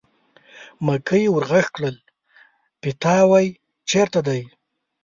مکۍ ور غږ کړل: پیتاوی چېرته دی.